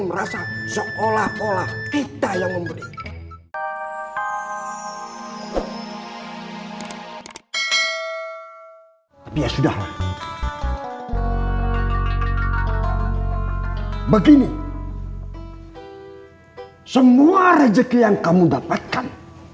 merasa seolah olah kita yang memberi ya sudah begini semua rezeki yang kamu dapatkan